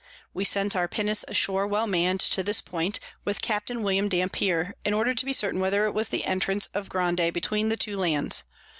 We sent our Pinnace ashore well mann'd to this Point, with Capt. William Dampier, in order to be certain whether it was the Entrance of Grande between the two Lands.